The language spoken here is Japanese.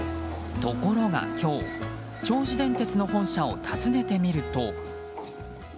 ところが今日、銚子電鉄の本社を訪ねてみると。